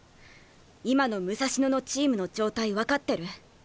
今の武蔵野のチームの状態分かってる？